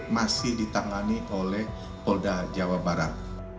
masih ditangani oleh polda jawa barat